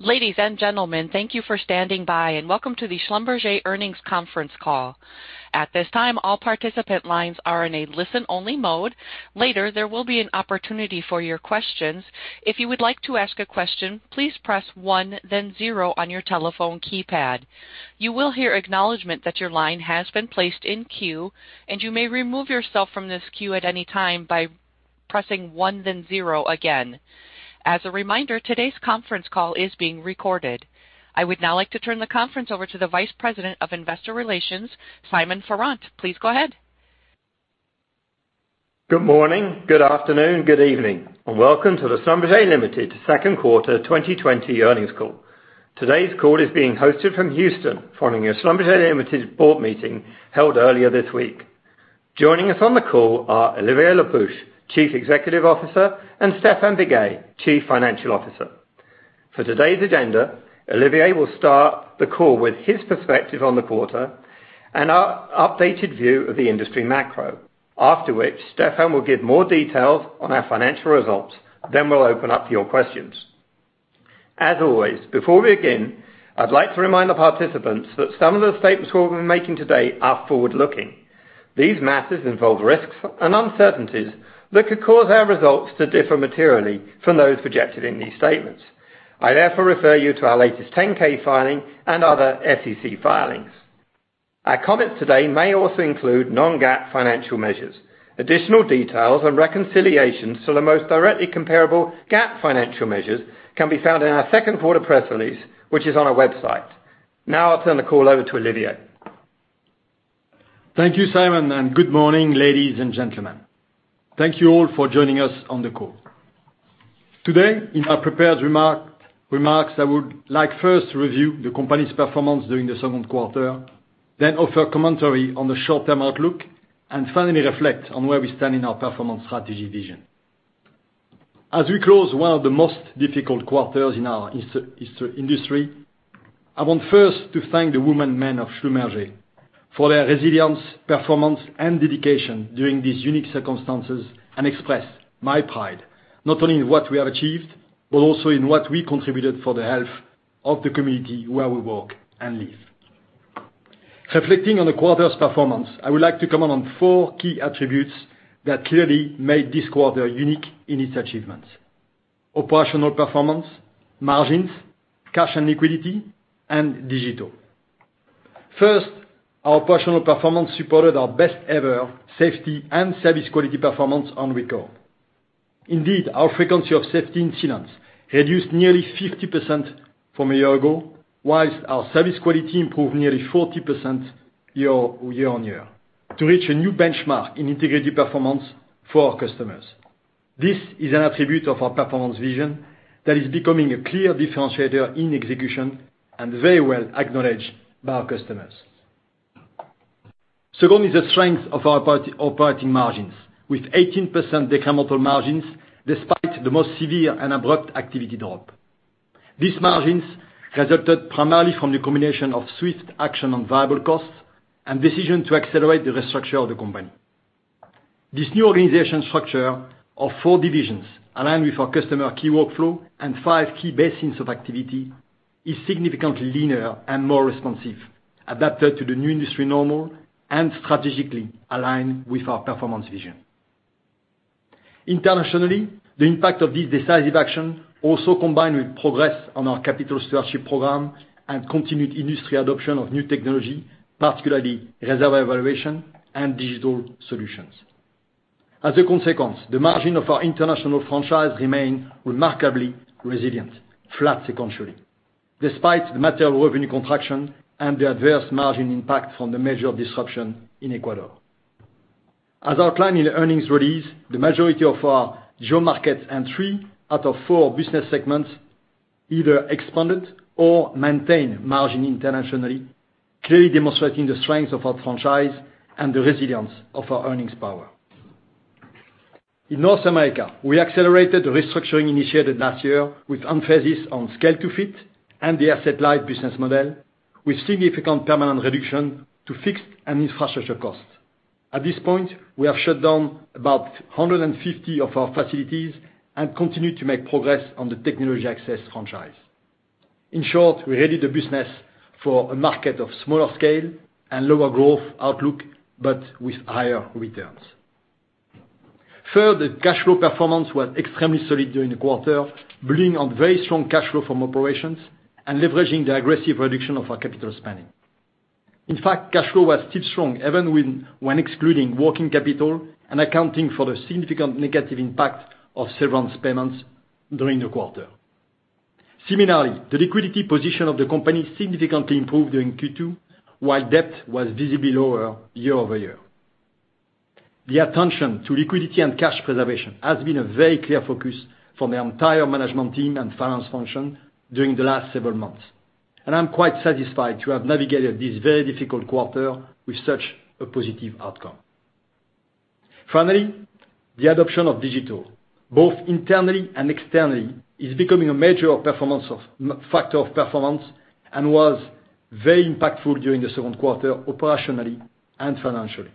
Ladies and gentlemen, thank you for standing by, welcome to the Schlumberger Earnings Conference Call. At this time, all participant lines are in a listen-only mode. Later, there will be an opportunity for your questions. If you would like to ask a question, please press one then zero on your telephone keypad. You will hear acknowledgment that your line has been placed in queue, you may remove yourself from this queue at any time by pressing one then zero again. As a reminder, today's conference call is being recorded. I would now like to turn the conference over to the Vice President of Investor Relations, Simon Farrant. Please go ahead. Good morning, good afternoon, good evening, and welcome to the Schlumberger Limited Second Quarter 2020 earnings call. Today's call is being hosted from Houston following a Schlumberger Limited board meeting held earlier this week. Joining us on the call are Olivier Le Peuch, Chief Executive Officer, and Stephane Biguet, Chief Financial Officer. For today's agenda, Olivier will start the call with his perspective on the quarter and our updated view of the industry macro. After which, Stephane will give more details on our financial results. We'll open up to your questions. As always, before we begin, I'd like to remind the participants that some of the statements we'll be making today are forward-looking. These matters involve risks and uncertainties that could cause our results to differ materially from those projected in these statements. I therefore refer you to our latest 10-K filing and other SEC filings. Our comments today may also include non-GAAP financial measures. Additional details and reconciliations to the most directly comparable GAAP financial measures can be found in our second quarter press release, which is on our website. Now I'll turn the call over to Olivier. Thank you, Simon. Good morning, ladies and gentlemen. Thank you all for joining us on the call. Today in our prepared remarks, I would like first to review the company's performance during the second quarter, then offer commentary on the short-term outlook, and finally reflect on where we stand in our performance strategy vision. As we close one of the most difficult quarters in our industry, I want first to thank the women, men of Schlumberger for their resilience, performance and dedication during these unique circumstances, and express my pride not only in what we have achieved, but also in what we contributed for the health of the community where we work and live. Reflecting on the quarter's performance, I would like to comment on four key attributes that clearly made this quarter unique in its achievements: operational performance, margins, cash and liquidity, and digital. Our operational performance supported our best ever safety and service quality performance on record. Our frequency of safety incidents reduced nearly 50% from a year ago, whilst our service quality improved nearly 40% year-on-year to reach a new benchmark in integrated performance for our customers. This is an attribute of our performance vision that is becoming a clear differentiator in execution and very well acknowledged by our customers. The strength of our operating margins with 18% decremental margins despite the most severe and abrupt activity drop. These margins resulted primarily from the combination of swift action on variable costs and decision to accelerate the restructure of the company. This new organization structure of four divisions, aligned with our customer key workflow and five key basins of activity, is significantly leaner and more responsive, adapted to the new industry normal and strategically aligned with our performance vision. Internationally, the impact of this decisive action also combined with progress on our capital stewardship program and continued industry adoption of new technology, particularly reservoir evaluation and digital solutions. As a consequence, the margin of our international franchise remained remarkably resilient, flat sequentially, despite the material revenue contraction and the adverse margin impact from the major disruption in Ecuador. As outlined in the earnings release, the majority of our GeoMarkets and three out of four business segments either expanded or maintained margin internationally, clearly demonstrating the strength of our franchise and the resilience of our earnings power. In North America, we accelerated the restructuring initiated last year with emphasis on scale to fit and the asset-light business model with significant permanent reduction to fixed and infrastructure costs. At this point, we have shut down about 150 of our facilities and continue to make progress on the technology access franchise. In short, we readied the business for a market of smaller scale and lower growth outlook, but with higher returns. Third, the cash flow performance was extremely solid during the quarter, building on very strong cash flow from operations and leveraging the aggressive reduction of our capital spending. In fact, cash flow was still strong even when excluding working capital and accounting for the significant negative impact of severance payments during the quarter. Similarly, the liquidity position of the company significantly improved during Q2 while debt was visibly lower year-over-year. The attention to liquidity and cash preservation has been a very clear focus for the entire management team and finance function during the last several months, and I'm quite satisfied to have navigated this very difficult quarter with such a positive outcome. Finally, the adoption of digital, both internally and externally, is becoming a major factor of performance and was very impactful during the second quarter, operationally and financially.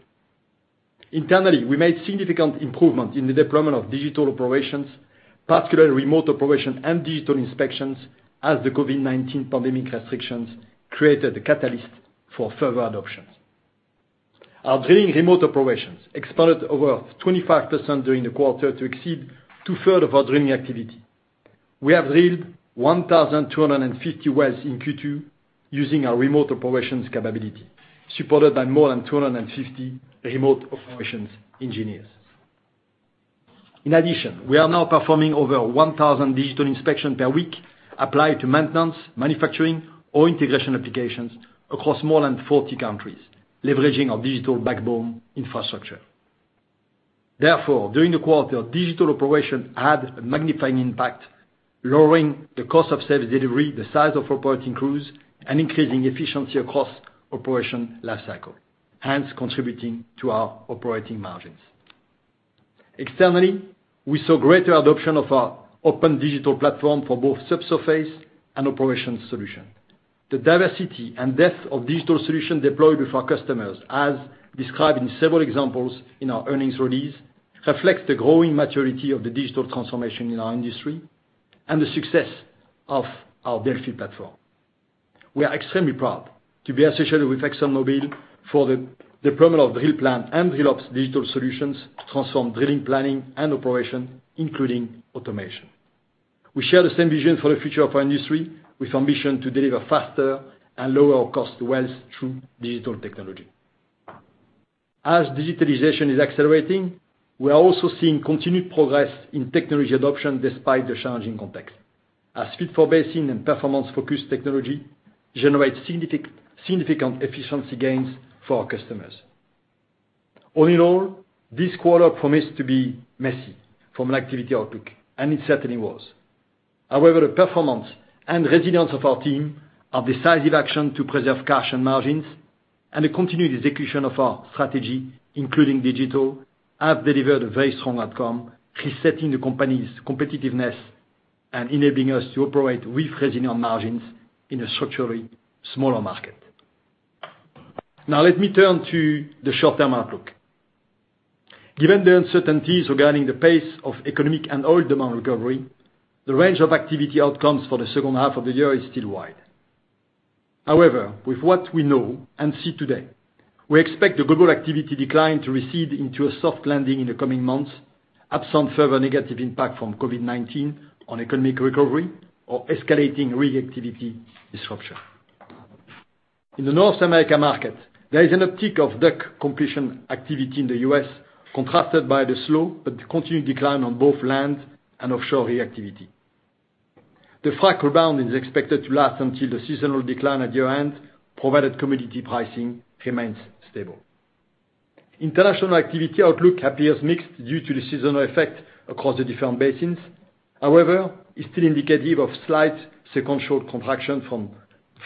Internally, we made significant improvement in the deployment of digital operations, particularly remote operation and digital inspections as the COVID-19 pandemic restrictions created a catalyst for further adoptions. Our drilling remote operations expanded over 25% during the quarter to exceed two-third of our drilling activity. We have drilled 1,250 wells in Q2 using our remote operations capability, supported by more than 250 remote operations engineers. In addition, we are now performing over 1,000 digital inspection per week, applied to maintenance, manufacturing, or integration applications across more than 40 countries, leveraging our digital backbone infrastructure. Therefore, during the quarter, digital operation had a magnifying impact, lowering the cost of service delivery, the size of operating crews, and increasing efficiency across operation lifecycle, hence contributing to our operating margins. Externally, we saw greater adoption of our open digital platform for both subsurface and operations solution. The diversity and depth of digital solution deployed with our customers, as described in several examples in our earnings release, reflects the growing maturity of the digital transformation in our industry and the success of our field platform. We are extremely proud to be associated with ExxonMobil for the deployment of DrillPlan and DrillOps digital solutions to transform drilling planning and operation, including automation. We share the same vision for the future of our industry with ambition to deliver faster and lower our cost wells through digital technology. As digitalization is accelerating, we are also seeing continued progress in technology adoption despite the challenging context. As fit-for-basin and performance-focused technology generates significant efficiency gains for our customers. All in all, this quarter promised to be messy from an activity outlook, and it certainly was. However, the performance and resilience of our team are decisive action to preserve cash and margins, and the continued execution of our strategy, including digital, have delivered a very strong outcome, resetting the company's competitiveness and enabling us to operate with resilient margins in a structurally smaller market. Now let me turn to the short-term outlook. Given the uncertainties regarding the pace of economic and oil demand recovery, the range of activity outcomes for the second half of the year is still wide. However, with what we know and see today, we expect the global activity decline to recede into a soft landing in the coming months, absent further negative impact from COVID-19 on economic recovery or escalating rig activity disruption. In the North America market, there is an uptick of DUC completion activity in the U.S., contrasted by the slow but continued decline on both land and offshore activity. The frac rebound is expected to last until the seasonal decline at year-end, provided commodity pricing remains stable. International activity outlook appears mixed due to the seasonal effect across the different basins. However, it's still indicative of slight sequential contraction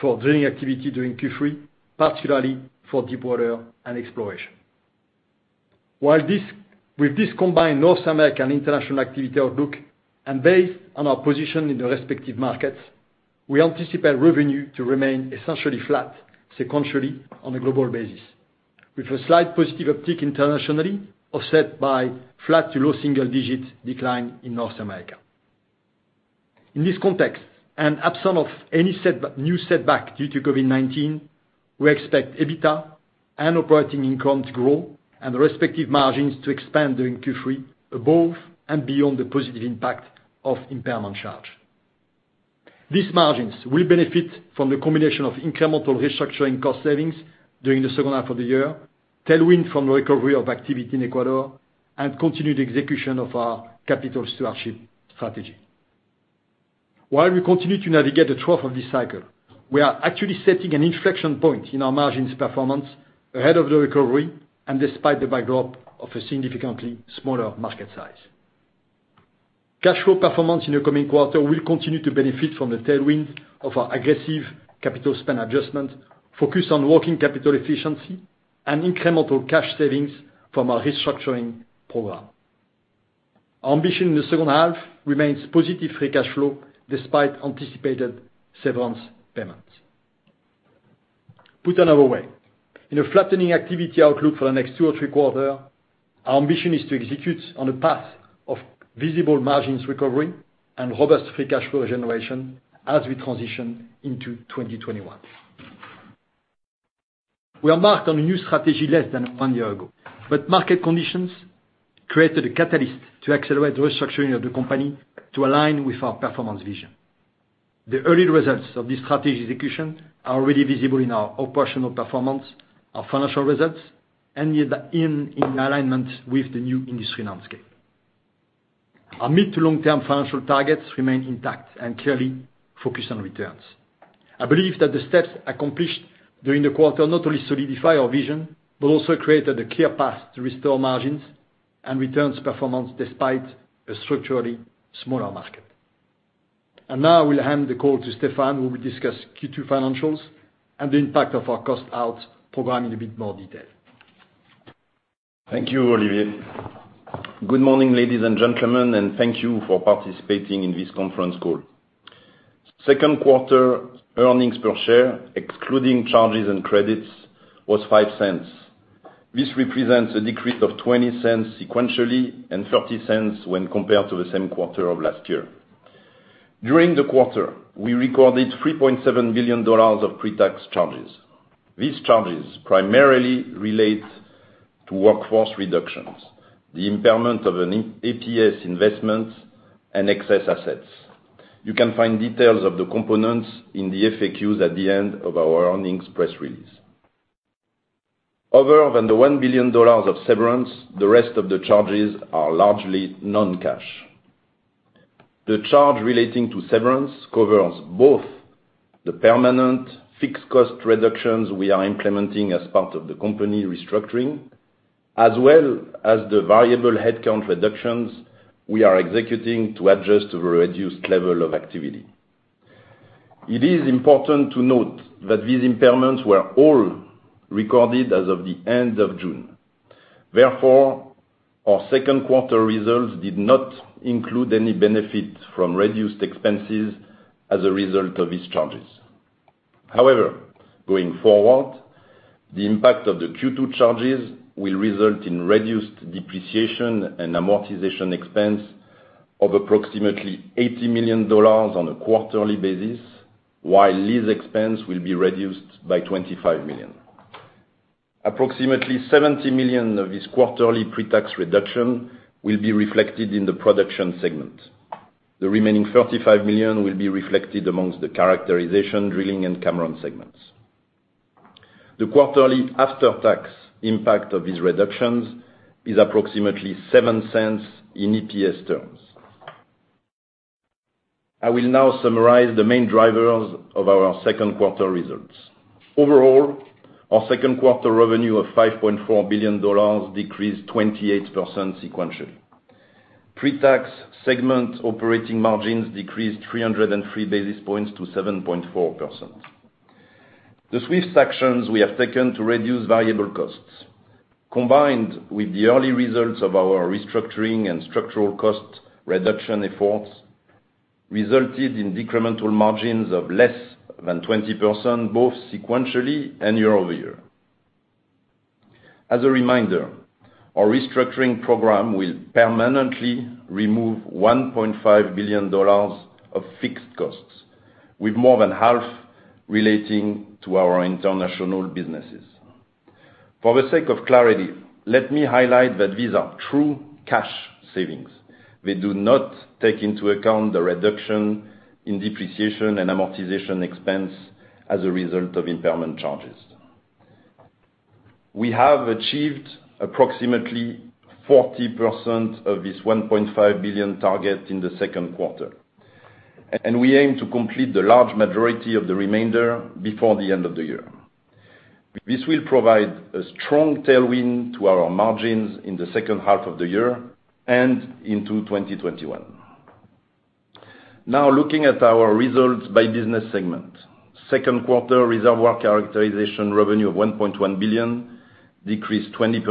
for drilling activity during Q3, particularly for deepwater and exploration. With this combined North American international activity outlook, and based on our position in the respective markets, we anticipate revenue to remain essentially flat sequentially on a global basis, with a slight positive uptick internationally, offset by flat to low single-digit decline in North America. In this context, and absent of any new setback due to COVID-19, we expect EBITDA and operating income to grow and respective margins to expand during Q3 above and beyond the positive impact of impairment charge. These margins will benefit from the combination of incremental restructuring cost savings during the second half of the year, tailwind from recovery of activity in Ecuador, and continued execution of our capital stewardship strategy. While we continue to navigate the trough of this cycle, we are actually setting an inflection point in our margins performance ahead of the recovery and despite the backdrop of a significantly smaller market size. Cash flow performance in the coming quarter will continue to benefit from the tailwind of our aggressive capital spend adjustment focused on working capital efficiency and incremental cash savings from our restructuring program. Our ambition in the second half remains positive free cash flow despite anticipated severance payments. Put another way, in a flattening activity outlook for the next two or three quarter, our ambition is to execute on a path of visible margins recovery and robust free cash flow generation as we transition into 2021. We embarked on a new strategy less than one year ago. Market conditions created a catalyst to accelerate the restructuring of the company to align with our performance vision. The early results of this strategy execution are already visible in our operational performance, our financial results, and in alignment with the new industry landscape. Our mid to long-term financial targets remain intact and clearly focused on returns. I believe that the steps accomplished during the quarter not only solidify our vision, but also created a clear path to restore margins and returns performance despite a structurally smaller market. Now I will hand the call to Stephane, who will discuss Q2 financials and the impact of our cost-out program in a bit more detail. Thank you, Olivier. Good morning, ladies and gentlemen. Thank you for participating in this conference call. Second quarter earnings per share, excluding charges and credits, was $0.05. This represents a decrease of $0.20 sequentially, $0.30 when compared to the same quarter of last year. During the quarter, we recorded $3.7 billion of pre-tax charges. These charges primarily relate to workforce reductions, the impairment of an APS investment, and excess assets. You can find details of the components in the FAQs at the end of our earnings press release. Other than the $1 billion of severance, the rest of the charges are largely non-cash. The charge relating to severance covers both the permanent fixed cost reductions we are implementing as part of the company restructuring, as well as the variable headcount reductions we are executing to adjust to the reduced level of activity. It is important to note that these impairments were all recorded as of the end of June. Therefore, our second quarter results did not include any benefit from reduced expenses as a result of these charges. However, going forward, the impact of the Q2 charges will result in reduced depreciation and amortization expense of approximately $80 million on a quarterly basis, while lease expense will be reduced by $25 million. Approximately $70 million of this quarterly pre-tax reduction will be reflected in the production segment. The remaining $35 million will be reflected amongst the characterization, drilling, and Cameron segments. The quarterly after-tax impact of these reductions is approximately $0.07 in EPS terms. I will now summarize the main drivers of our second quarter results. Overall, our second quarter revenue of $5.4 billion decreased 28% sequentially. Pre-tax segment operating margins decreased 303 basis points to 7.4%. The swift actions we have taken to reduce variable costs, combined with the early results of our restructuring and structural cost reduction efforts, resulted in incremental margins of less than 20%, both sequentially and year-over-year. As a reminder, our restructuring program will permanently remove $1.5 billion of fixed costs, with more than half relating to our international businesses. For the sake of clarity, let me highlight that these are true cash savings. They do not take into account the reduction in depreciation and amortization expense as a result of impairment charges. We have achieved approximately 40% of this $1.5 billion target in the second quarter. We aim to complete the large majority of the remainder before the end of the year. This will provide a strong tailwind to our margins in the second half of the year and into 2021. Looking at our results by business segment. Second quarter reservoir characterization revenue of $1.1 billion decreased 20%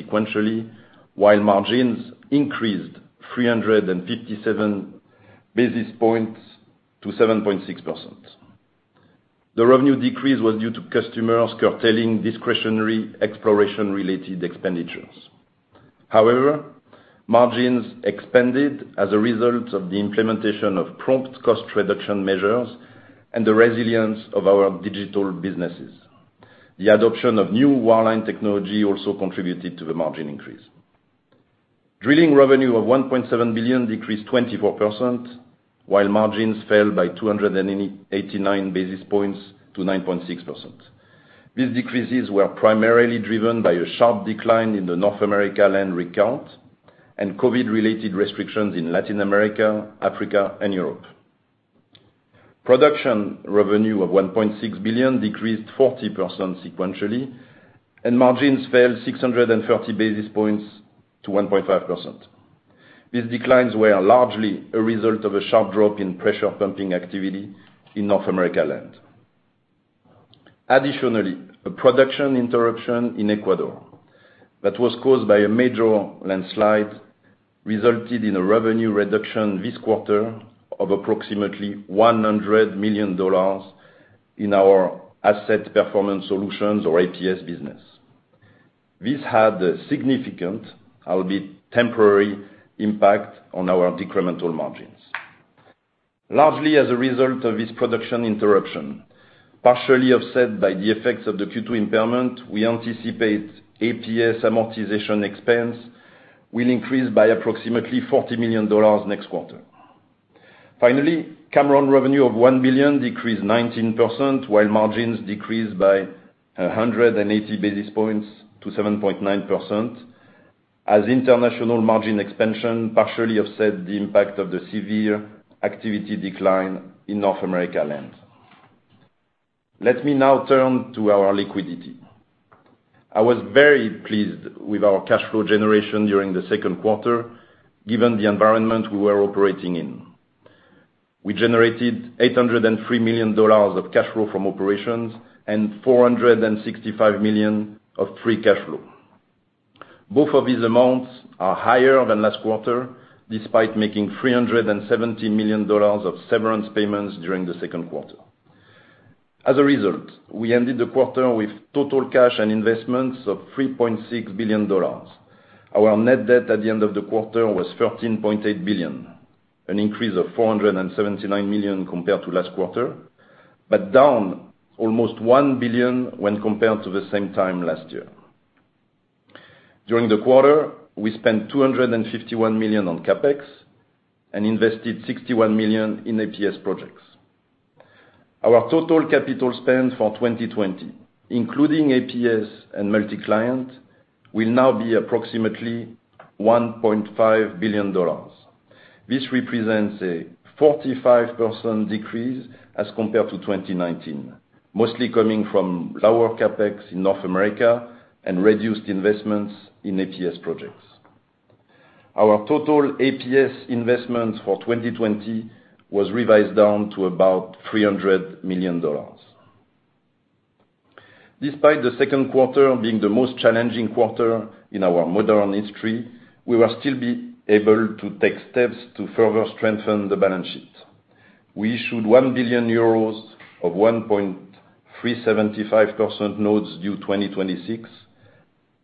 sequentially, while margins increased 357 basis points to 7.6%. The revenue decrease was due to customers curtailing discretionary exploration-related expenditures. Margins expanded as a result of the implementation of prompt cost reduction measures and the resilience of our digital businesses. The adoption of new wireline technology also contributed to the margin increase. Drilling revenue of $1.7 billion decreased 24%, while margins fell by 289 basis points to 9.6%. These decreases were primarily driven by a sharp decline in the North America land rig count and COVID-related restrictions in Latin America, Africa, and Europe. Production revenue of $1.6 billion decreased 40% sequentially, and margins fell 630 basis points to 1.5%. These declines were largely a result of a sharp drop in pressure pumping activity in North America land. Additionally, a production interruption in Ecuador that was caused by a major landslide resulted in a revenue reduction this quarter of approximately $100 million in our asset performance solutions or APS business. This had a significant, albeit temporary, impact on our incremental margins. Largely as a result of this production interruption, partially offset by the effects of the Q2 impairment, we anticipate APS amortization expense will increase by approximately $40 million next quarter. Finally, Cameron revenue of $1 billion decreased 19%, while margins decreased by 180 basis points to 7.9%, as international margin expansion partially offset the impact of the severe activity decline in North America land. Let me now turn to our liquidity. I was very pleased with our cash flow generation during the second quarter, given the environment we were operating in. We generated $803 million of cash flow from operations and $465 million of free cash flow. Both of these amounts are higher than last quarter, despite making $370 million of severance payments during the second quarter. We ended the quarter with total cash and investments of $3.6 billion. Our net debt at the end of the quarter was $13.8 billion, an increase of $479 million compared to last quarter, but down almost $1 billion when compared to the same time last year. During the quarter, we spent $251 million on CapEx and invested $61 million in APS projects. Our total capital spend for 2020, including APS and multi-client, will now be approximately $1.5 billion. This represents a 45% decrease as compared to 2019, mostly coming from lower CapEx in North America and reduced investments in APS projects. Our total APS investments for 2020 was revised down to about $300 million. Despite the second quarter being the most challenging quarter in our modern history, we will still be able to take steps to further strengthen the balance sheet. We issued 1 billion euros of 1.375% notes due 2026,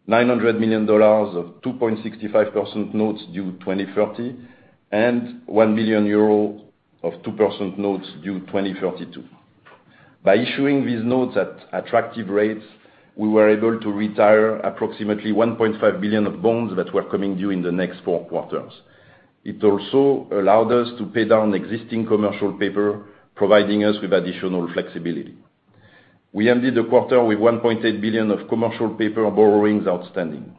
$900 million of 2.65% notes due 2030, and 1 billion euro of 2% notes due 2032. By issuing these notes at attractive rates, we were able to retire approximately $1.5 billion of bonds that were coming due in the next four quarters. It also allowed us to pay down existing commercial paper, providing us with additional flexibility. We ended the quarter with $1.8 billion of commercial paper borrowings outstanding.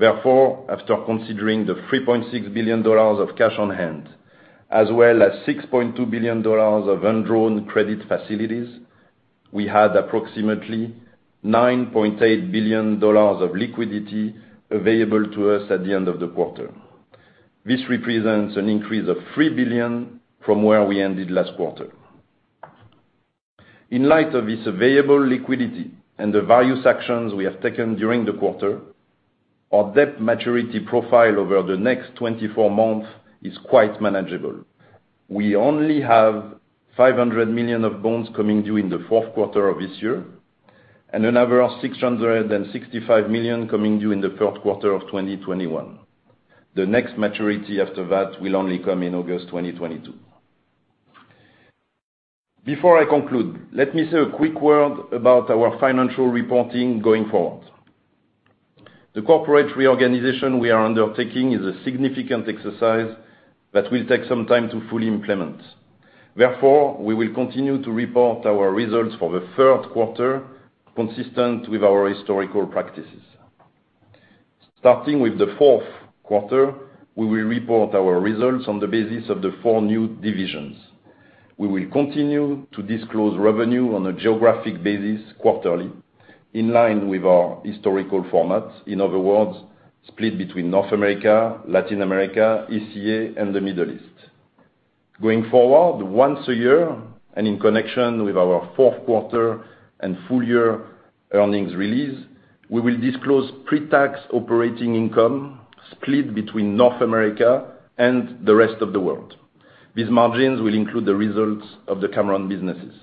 After considering the $3.6 billion of cash on hand, as well as $6.2 billion of undrawn credit facilities, we had approximately $9.8 billion of liquidity available to us at the end of the quarter. This represents an increase of $3 billion from where we ended last quarter. In light of this available liquidity and the various actions we have taken during the quarter, our debt maturity profile over the next 24 months is quite manageable. We only have $500 million of bonds coming due in the fourth quarter of this year, and another $665 million coming due in the third quarter of 2021. The next maturity after that will only come in August 2022. Before I conclude, let me say a quick word about our financial reporting going forward. The corporate reorganization we are undertaking is a significant exercise that will take some time to fully implement. Therefore, we will continue to report our results for the third quarter consistent with our historical practices. Starting with the fourth quarter, we will report our results on the basis of the four new divisions. We will continue to disclose revenue on a geographic basis quarterly, in line with our historical formats. In other words, split between North America, Latin America, ECA, and the Middle East. Going forward, once a year and in connection with our fourth quarter and full year earnings release, we will disclose pre-tax operating income split between North America and the rest of the world. These margins will include the results of the Cameron businesses.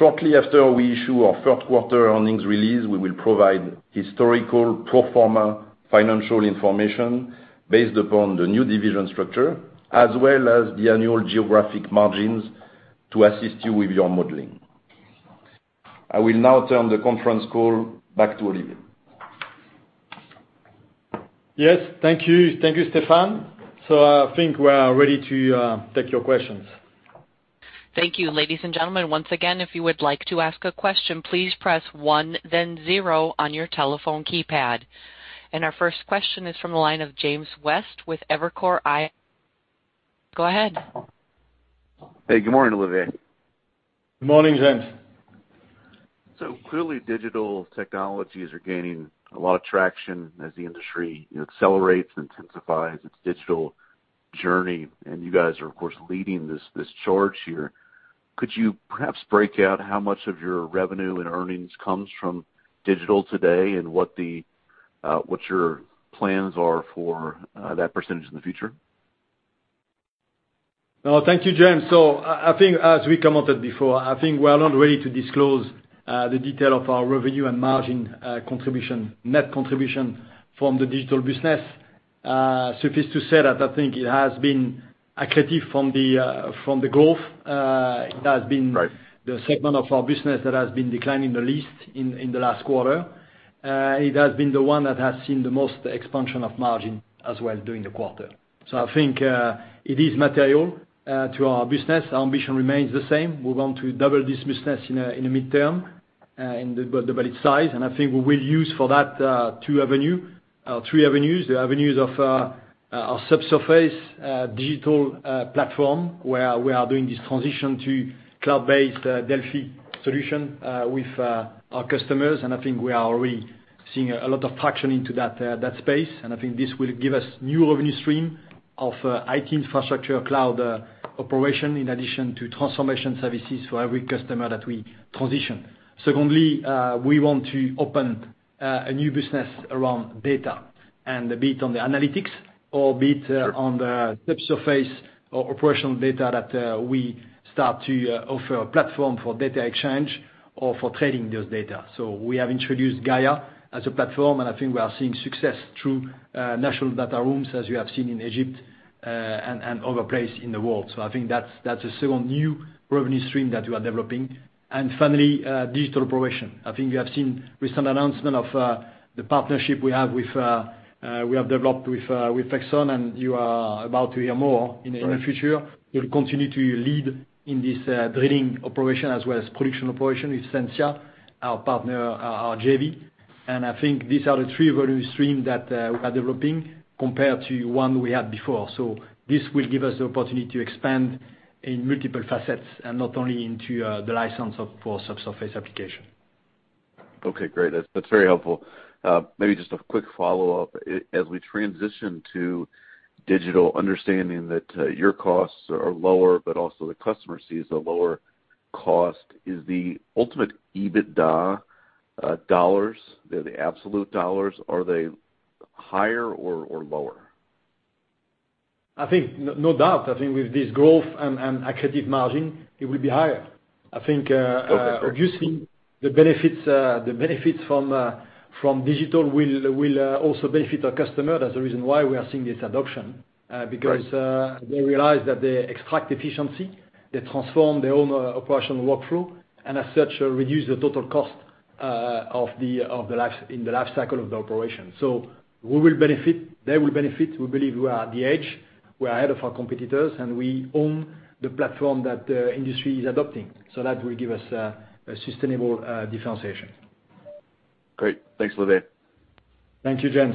Shortly after we issue our third-quarter earnings release, we will provide historical pro forma financial information based upon the new division structure, as well as the annual geographic margins to assist you with your modeling. I will now turn the conference call back to Olivier. Yes. Thank you. Thank you, Stephane. I think we are ready to take your questions. Thank you, ladies and gentlemen. Once again, if you would like to ask a question, please press one then zero on your telephone keypad. Our first question is from the line of James West with Evercore ISI. Go ahead. Hey, good morning, Olivier. Good morning, James. Clearly, digital technologies are gaining a lot of traction as the industry accelerates and intensifies its digital journey. You guys are, of course, leading this charge here. Could you perhaps break out how much of your revenue and earnings comes from digital today and what your plans are for that percentage in the future? No. Thank you, James. I think as we commented before, I think we are not ready to disclose the detail of our revenue and margin contribution, net contribution from the digital business. Suffice to say that I think it has been accretive from the growth. Right. It has been the segment of our business that has been declining the least in the last quarter. It has been the one that has seen the most expansion of margin as well during the quarter. I think it is material to our business. Our ambition remains the same. We want to double this business in the midterm, double its size. I think we will use for that three avenues. The avenues of our subsurface digital platform, where we are doing this transition to cloud-based DELFI solution with our customers. I think we are already seeing a lot of traction into that space. I think this will give us new revenue stream of IT infrastructure cloud operation in addition to transformation services for every customer that we transition. Secondly, we want to open a new business around data, be it on the analytics or be it on the subsurface or operational data that we start to offer a platform for data exchange or for trading those data. We have introduced GAIA as a platform, I think we are seeing success through national data rooms, as you have seen in Egypt and other places in the world. I think that's a second new revenue stream that we are developing. Finally, digital operation. I think we have seen recent announcement of the partnership we have developed with Exxon, you are about to hear more in the future. We'll continue to lead in this drilling operation as well as production operation with Sensia, our partner, our JV. I think these are the three revenue stream that we are developing compared to one we had before. This will give us the opportunity to expand in multiple facets and not only into the license for subsurface application. Okay, great. That's very helpful. Maybe just a quick follow-up. As we transition to digital, understanding that your costs are lower, but also the customer sees the lower cost, is the ultimate EBITDA dollars, the absolute dollars, are they higher or lower? I think no doubt. I think with this growth and accretive margin, it will be higher. Okay. I think reducing the benefits from digital will also benefit our customer. That's the reason why we are seeing this adoption. Right. They realize that they extract efficiency, they transform their own operational workflow, and as such, reduce the total cost in the life cycle of the operation. We will benefit, they will benefit. We believe we are at the edge, we are ahead of our competitors, and we own the platform that the industry is adopting. That will give us a sustainable differentiation. Great. Thanks, Olivier. Thank you, James.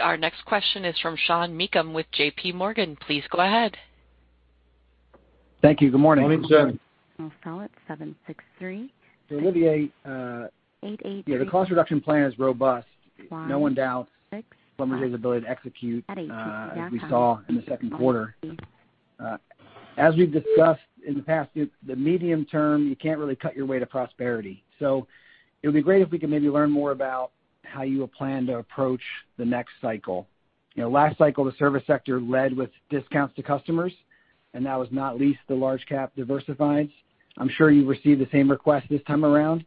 Our next question is from Sean Meakim with JPMorgan. Please go ahead. Thank you. Good morning. Morning, Sean. I'll spell it seven, six, three- Olivier. Eight, eight, three- The cost reduction plan is robust. Five, six. No one doubts SLB's ability to execute. At AT&T. We saw in the second quarter. We've discussed in the past, the medium term, you can't really cut your way to prosperity. It would be great if we could maybe learn more about how you plan to approach the next cycle. Last cycle, the service sector led with discounts to customers, that was not least the large cap diversifieds. I'm sure you received the same request this time around.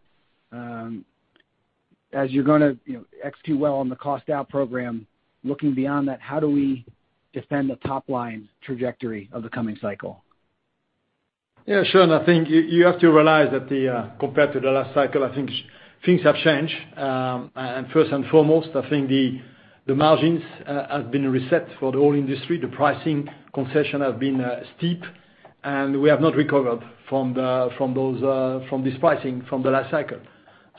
You're going to execute well on the cost-out program, looking beyond that, how do we defend the top line trajectory of the coming cycle? Yeah, Sean, I think you have to realize that compared to the last cycle, I think things have changed. First and foremost, I think the margins have been reset for the whole industry. The pricing concession have been steep, and we have not recovered from this pricing from the last cycle.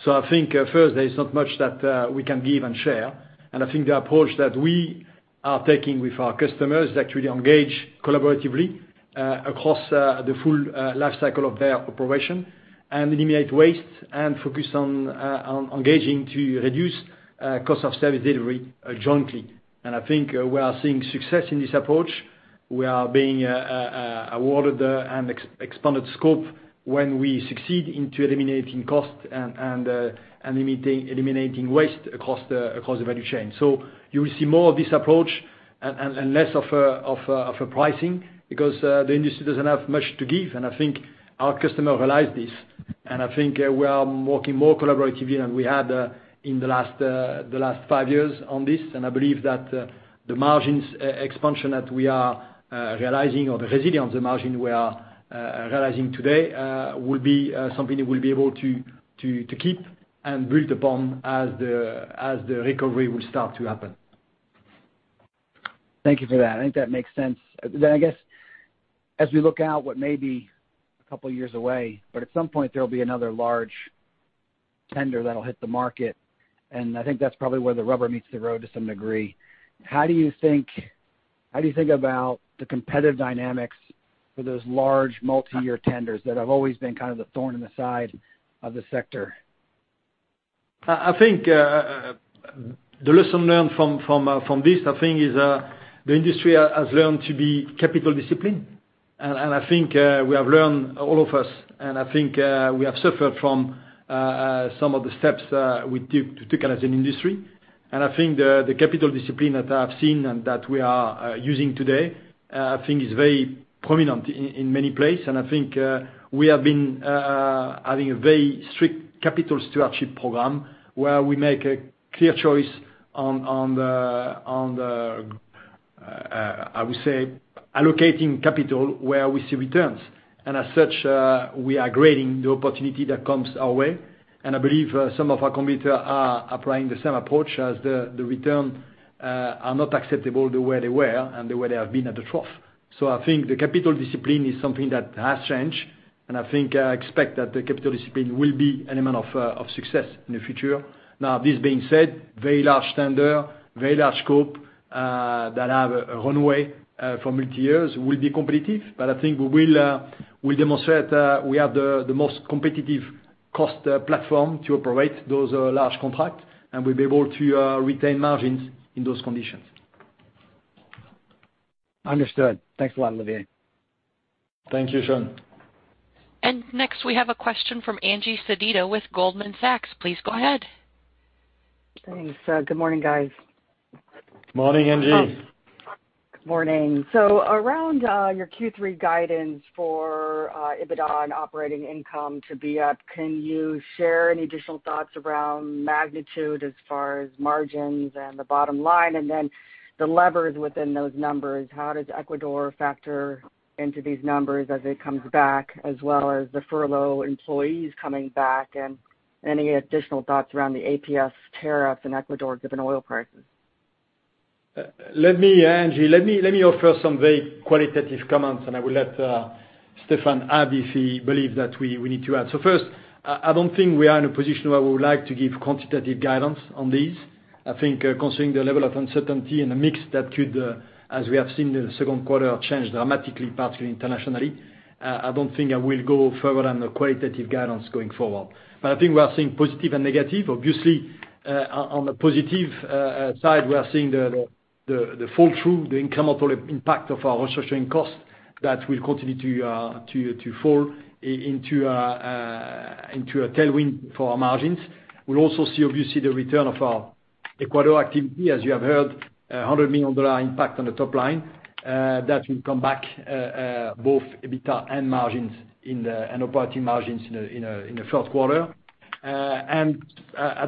I think first, there is not much that we can give and share, and I think the approach that we are taking with our customers is actually engage collaboratively across the full life cycle of their operation and eliminate waste and focus on engaging to reduce cost of service delivery jointly. I think we are seeing success in this approach. We are being awarded and expanded scope when we succeed into eliminating costs and eliminating waste across the value chain. You will see more of this approach and less of a pricing because the industry doesn't have much to give, and I think our customer realize this. I think we are working more collaboratively than we had in the last five years on this. I believe that the margins expansion that we are realizing or the resilience of margin we are realizing today will be something that we'll be able to keep and build upon as the recovery will start to happen. Thank you for that. I think that makes sense. I guess as we look out what may be a couple of years away, but at some point, there will be another large tender that'll hit the market, and I think that's probably where the rubber meets the road to some degree. How do you think about the competitive dynamics for those large multi-year tenders that have always been kind of the thorn in the side of the sector? I think the lesson learned from this, I think, is the industry has learned to be capital discipline, and I think we have learned, all of us, and I think we have suffered from some of the steps we took as an industry. I think the capital discipline that I've seen and that we are using today, I think is very prominent in many place. I think we have been having a very strict capital stewardship program where we make a clear choice on the, I would say, allocating capital where we see returns. As such, we are grading the opportunity that comes our way. I believe some of our competitor are applying the same approach as the return are not acceptable the way they were and the way they have been at the trough. I think the capital discipline is something that has changed, and I think I expect that the capital discipline will be an element of success in the future. Now, this being said, very large tender, very large scope, that have a runway for multi-years will be competitive. But I think we'll demonstrate that we have the most competitive cost platform to operate those large contracts, and we'll be able to retain margins in those conditions. Understood. Thanks a lot, Olivier. Thank you, Sean. Next we have a question from Angie Sedita with Goldman Sachs. Please go ahead. Thanks. Good morning, guys. Morning, Angie. Good morning. Around your Q3 guidance for EBITDA and operating income to be up, can you share any additional thoughts around magnitude as far as margins and the bottom line, and then the levers within those numbers? How does Ecuador factor into these numbers as it comes back, as well as the furlough employees coming back and any additional thoughts around the APS tariff in Ecuador given oil prices? Angie, let me offer some very qualitative comments and I will let Stephane add if he believes that we need to add. First, I don't think we are in a position where we would like to give quantitative guidance on these. I think considering the level of uncertainty and the mix that could, as we have seen in the second quarter, change dramatically, particularly internationally, I don't think I will go further on the qualitative guidance going forward. I think we are seeing positive and negative. Obviously, on the positive side, we are seeing the fall through, the incremental impact of our restructuring costs that will continue to fall into a tailwind for our margins. We'll also see, obviously, the return of our Ecuador activity. As you have heard, $100 million impact on the top line. That will come back, both EBITDA and operating margins in the fourth quarter. At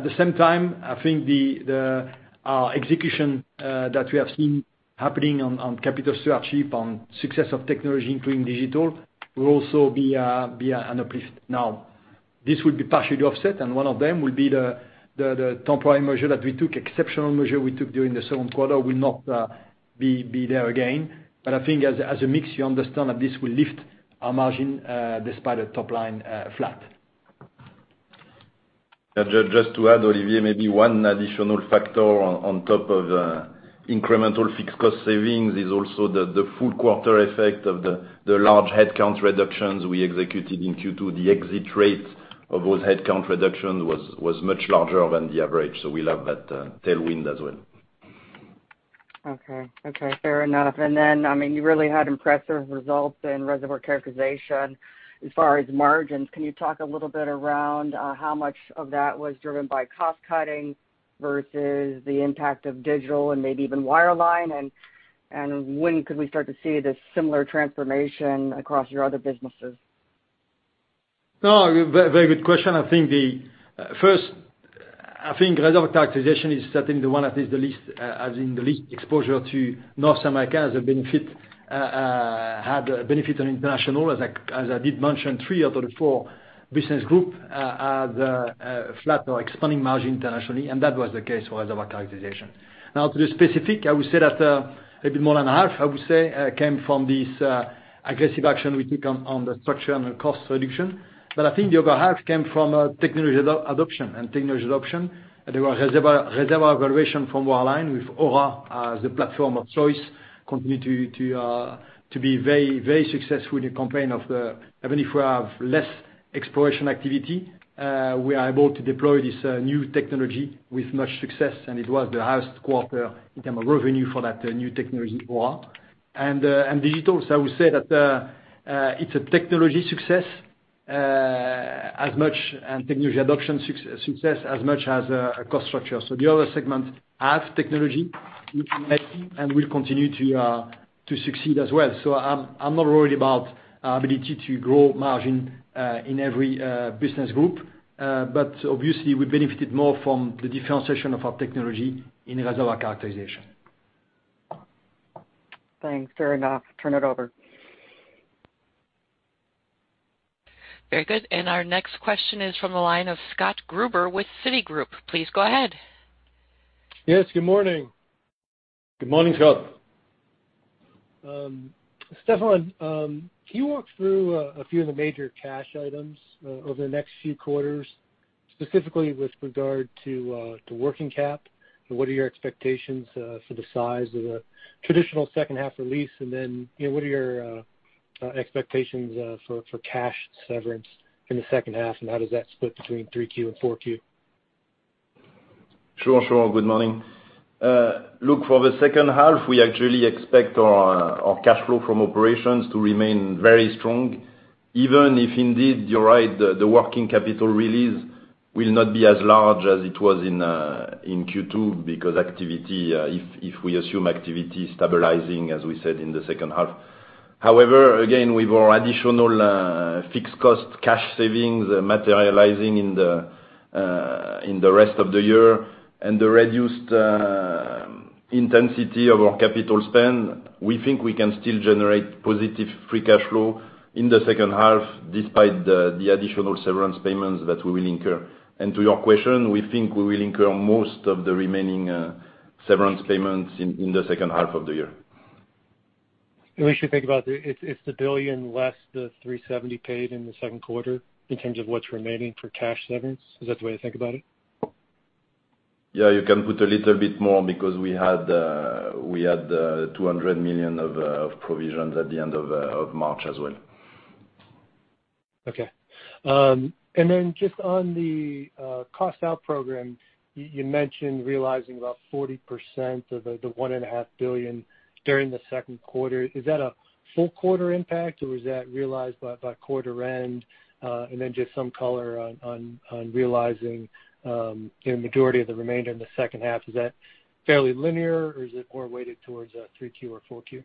the same time, I think the execution that we have seen happening on capital stewardship, on success of technology including digital, will also be an uplift. This will be partially offset and one of them will be the temporary measure that we took, exceptional measure we took during the second quarter will not be there again. I think as a mix, you understand that this will lift our margin despite a top-line flat. Just to add, Olivier, maybe one additional factor on top of incremental fixed cost savings is also the full quarter effect of the large headcount reductions we executed in Q2. The exit rate of those headcount reductions was much larger than the average, so we'll have that tailwind as well. Okay. Fair enough. You really had impressive results in reservoir characterization as far as margins. Can you talk a little bit around how much of that was driven by cost cutting versus the impact of digital and maybe even wireline? When could we start to see this similar transformation across your other businesses? No, very good question. First, I think reservoir characterization is certainly the one that has the least exposure to North America as it had benefit on international. As I did mention, three out of the four business group had a flat or expanding margin internationally, and that was the case for reservoir characterization. To be specific, I would say that a bit more than half, I would say, came from this aggressive action we took on the structure and the cost reduction. I think the other half came from technology adoption. There was reservoir evaluation from wireline with Ora as the platform of choice continue to be very successful in the campaign of the even if we have less exploration activity, we are able to deploy this new technology with much success and it was the highest quarter in term of revenue for that new technology, Ora. Digital, I would say that it's a technology success and technology adoption success as much as a cost structure. The other segments have technology which we make and will continue to succeed as well. I'm not worried about our ability to grow margin in every business group. Obviously we benefited more from the differentiation of our technology in Reservoir Characterization. Thanks. Fair enough. Turn it over. Very good. Our next question is from the line of Scott Gruber with Citigroup. Please go ahead. Yes, good morning. Good morning, Scott. Stephane, can you walk through a few of the major cash items over the next few quarters, specifically with regard to working cap? What are your expectations for the size of the traditional second half release, and then what are your expectations for cash severance in the second half, and how does that split between 3Q and 4Q? Sure. Good morning. Look, for the second half, we actually expect our cash flow from operations to remain very strong, even if indeed you're right, the working capital release will not be as large as it was in Q2, because if we assume activity stabilizing, as we said in the second half. Again, with our additional fixed cost cash savings materializing in the rest of the year and the reduced intensity of our capital spend, we think we can still generate positive free cash flow in the second half despite the additional severance payments that we will incur. To your question, we think we will incur most of the remaining severance payments in the second half of the year. We should think about it's the $1 billion less the $370 paid in the Second Quarter in terms of what's remaining for cash severance. Is that the way to think about it? Yeah, you can put a little bit more because we had $200 million of provisions at the end of March as well. Okay. Just on the cost out program, you mentioned realizing about 40% of the $1.5 billion during the second quarter. Is that a full quarter impact, or was that realized by quarter end? Just some color on realizing the majority of the remainder in the second half. Is that fairly linear, or is it more weighted towards 3Q or 4Q?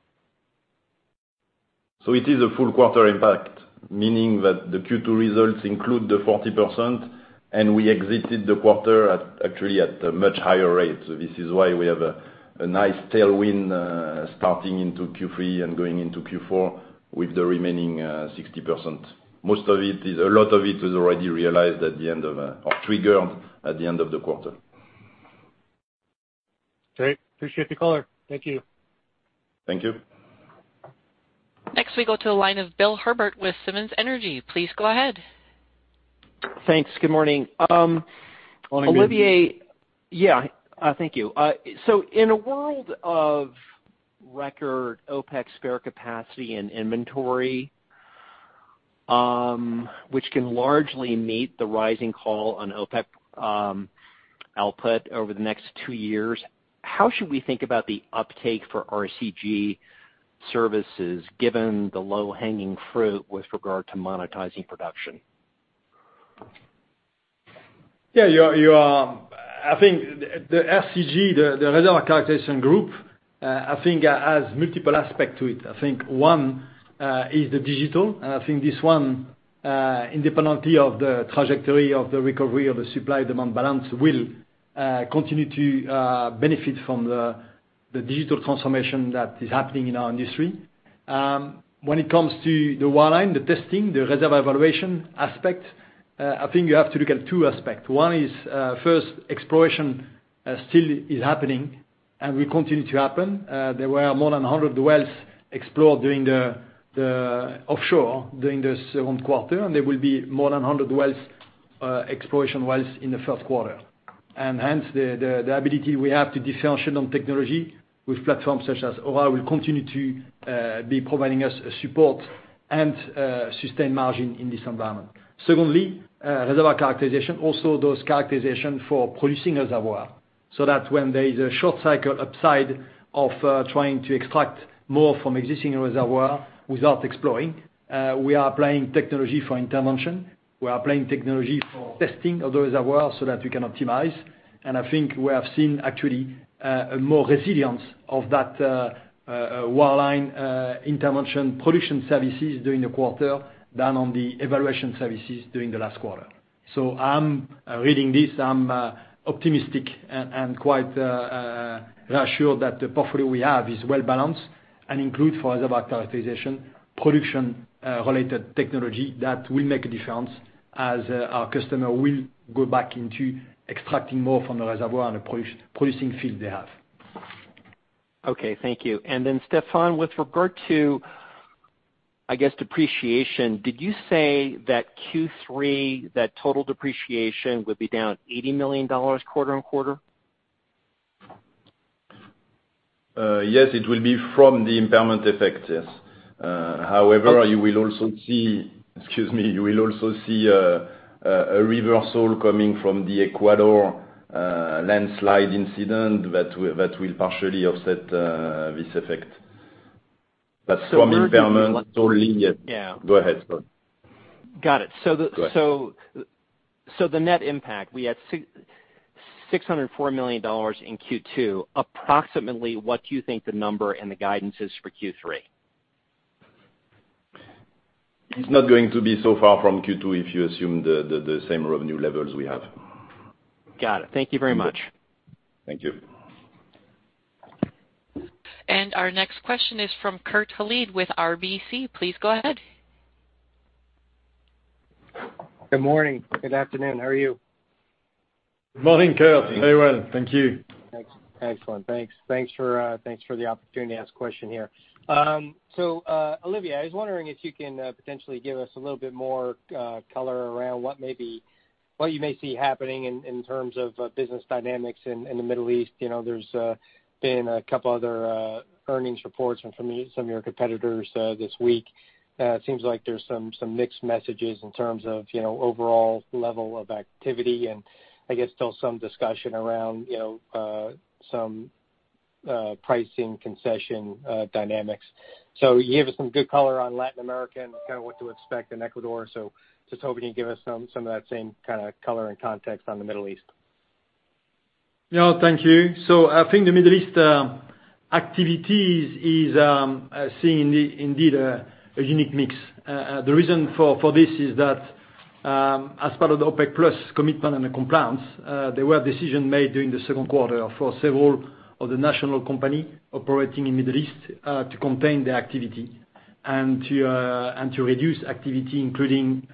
It is a full quarter impact, meaning that the Q2 results include the 40%, and we exited the quarter actually at a much higher rate. This is why we have a nice tailwind starting into Q3 and going into Q4 with the remaining 60%. A lot of it is already realized or triggered at the end of the quarter. Great. Appreciate the color. Thank you. Thank you. Next we go to the line of Bill Herbert with Simmons Energy. Please go ahead. Thanks. Good morning. Morning. Olivier. Yeah. Thank you. In a world of record OPEC spare capacity and inventory, which can largely meet the rising call on OPEC output over the next two years, how should we think about the uptake for RCG services given the low-hanging fruit with regard to monetizing production? I think the RCG, the Reservoir Characterization Group, I think has multiple aspect to it. I think one is the digital, and I think this one, independently of the trajectory of the recovery of the supply-demand balance will continue to benefit from the digital transformation that is happening in our industry. When it comes to the wireline, the testing, the reservoir evaluation aspect, I think you have to look at two aspects. One is first exploration still is happening and will continue to happen. There were more than 100 wells explored offshore during the second quarter. There will be more than 100 exploration wells in the first quarter. Hence, the ability we have to differentiate on technology with platforms such as Ora will continue to be providing us support and sustain margin in this environment. Secondly, reservoir characterization, also those characterization for producing reservoir, so that when there is a short cycle upside of trying to extract more from existing reservoir without exploring, we are applying technology for intervention. We are applying technology for testing of the reservoir so that we can optimize. I think we have seen actually a more resilience of that wireline intervention production services during the quarter than on the evaluation services during the last quarter. I'm reading this, I'm optimistic and quite reassured that the portfolio we have is well-balanced and include for reservoir characterization, production-related technology that will make a difference as our customer will go back into extracting more from the reservoir and the producing field they have. Okay, thank you. Then Stephane, with regard to, I guess, depreciation, did you say that Q3, that total depreciation would be down $80 million quarter-on-quarter? It will be from the impairment effect, yes. You will also see a reversal coming from the Ecuador landslide incident that will partially offset this effect. From impairment only, yes. Yeah. Go ahead, sorry. Got it. Go ahead. The net impact, we had $604 million in Q2. Approximately what do you think the number and the guidance is for Q3? It's not going to be so far from Q2 if you assume the same revenue levels we have. Got it. Thank you very much. Thank you. Our next question is from Kurt Hallead with RBC. Please go ahead. Good morning. Good afternoon. How are you? Good morning, Kurt. Very well. Thank you. Excellent. Thanks for the opportunity to ask a question here. Olivier, I was wondering if you can potentially give us a little bit more color around what you may see happening in terms of business dynamics in the Middle East. There's been a couple other earnings reports from some of your competitors this week. It seems like there's some mixed messages in terms of overall level of activity, and I guess still some discussion around some pricing concession dynamics. You gave us some good color on Latin America and kind of what to expect in Ecuador. Just hoping you can give us some of that same kind of color and context on the Middle East. Thank you. I think the Middle East activities is seeing indeed a unique mix. The reason for this is that as part of the OPEC+ commitment and the compliance, there were decision made during the second quarter for several of the national company operating in Middle East to contain their activity and to reduce activity, including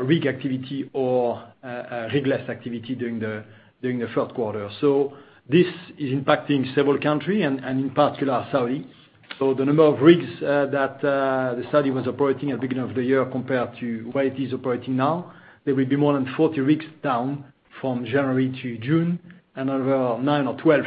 rig activity or rig-less activity during the third quarter. This is impacting several country and in particular, Saudi. The number of rigs that Saudi was operating at the beginning of the year compared to where it is operating now, there will be more than 40 rigs down from January to June, and over nine or 12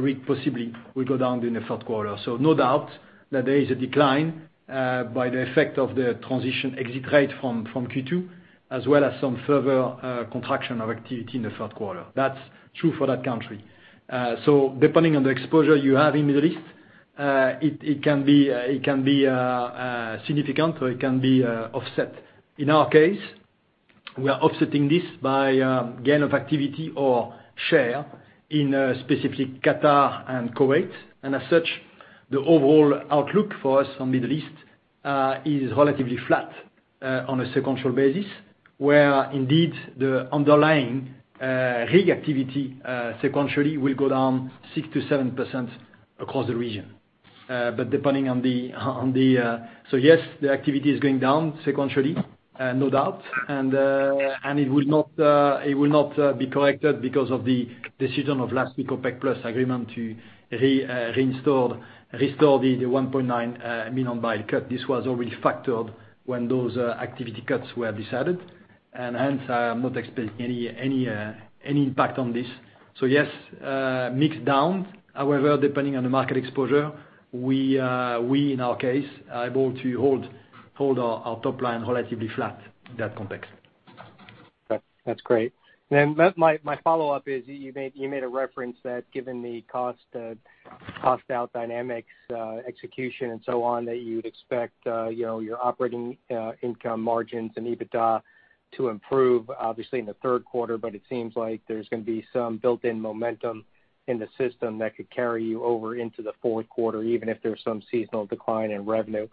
rig possibly will go down in the third quarter. No doubt that there is a decline by the effect of the transition exit rate from Q2, as well as some further contraction of activity in the third quarter. That's true for that country. Depending on the exposure you have in Middle East, it can be significant or it can be offset. In our case, we are offsetting this by gain of activity or share in specific Qatar and Kuwait. As such, the overall outlook for us on Middle East is relatively flat on a sequential basis, where indeed the underlying rig activity sequentially will go down 6%-7% across the region. Yes, the activity is going down sequentially, no doubt. It will not be corrected because of the decision of last week OPEC+ agreement to restore the 1.9 million barrel cut. This was already factored when those activity cuts were decided, hence I am not expecting any impact on this. Yes, mix down. However, depending on the market exposure, we in our case are able to hold our top line relatively flat in that context. That's great. My follow-up is, you made a reference that given the cost out dynamics, execution, and so on, that you'd expect your operating income margins and EBITDA to improve obviously in the third quarter. It seems like there's going to be some built-in momentum in the system that could carry you over into the fourth quarter, even if there's some seasonal decline in revenue.